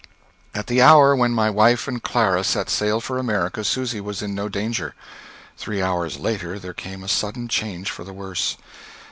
At the hour when my wife and Clara set sail for America, Susy was in no danger. Three hours later there came a sudden change for the worse.